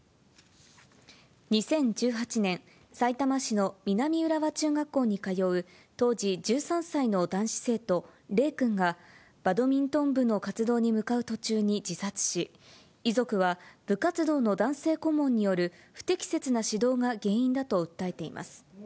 ２０１８年、さいたま市の南浦和中学校に通う当時１３歳の男子生徒、怜君がバドミントン部の活動に向かう途中に自殺し、遺族は、部活動の男性顧問による不適切な指導が原因だと訴えています。